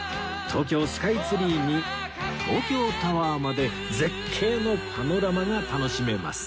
東京スカイツリーに東京タワーまで絶景のパノラマが楽しめます